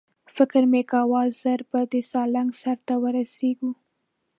فکر مې کاوه ژر به د سالنګ سر ته ورسېږو.